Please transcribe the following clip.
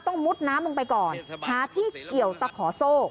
มุดน้ำลงไปก่อนหาที่เกี่ยวตะขอโซ่